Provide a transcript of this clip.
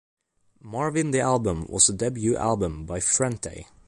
"Marvin the Album" was the debut album by Frente!